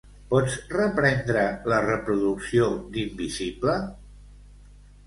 Pots reprendre la reproducció d'"Invisible"?